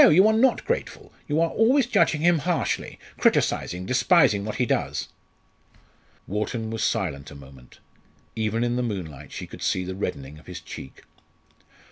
you are not grateful; you are always judging him harshly criticising, despising what he does." Wharton was silent a moment. Even in the moonlight she could see the reddening of his cheek.